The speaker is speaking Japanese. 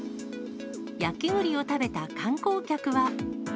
焼きぐりを食べた観光客は。